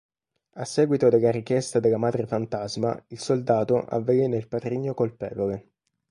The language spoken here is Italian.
A seguito della richiesta della madre fantasma, il soldato avvelena il patrigno colpevole.